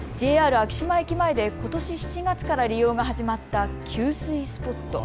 昭島駅前でことし７月から利用が始まった給水スポット。